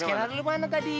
sekarang lu mana tadi